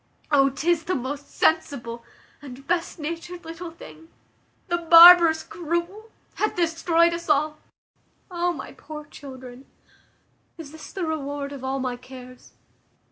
O 'tis the most sensible, and best natured little thing! The barbarous, cruel hath destroyed us all. O my poor children! Is this the reward of all my cares?